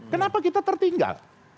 kenapa kita tertinggal